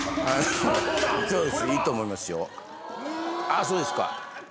あっそうですか。